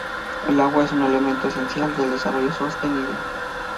El agua es un elemento esencial del desarrollo sostenible.